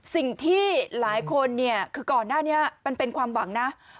สิ่งที่หลายคนเนี่ยคือก่อนหน้านี้มันเป็นความหวังนะ